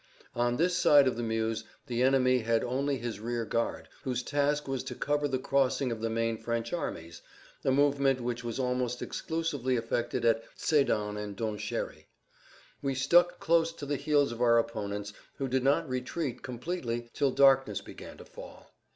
On this side of the Meuse the enemy had only his rear guard, whose task was to cover the crossing of the main French armies, a movement which was almost exclusively effected at Sédan and Donchéry. We stuck close to the heels of our opponents, who did not retreat completely till darkness began to fall.